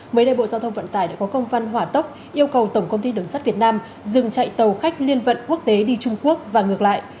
mới đây bộ giao thông vận tải đã có công văn hỏa tốc yêu cầu tổng công ty đường sắt việt nam dừng chạy tàu khách liên vận quốc tế đi trung quốc và ngược lại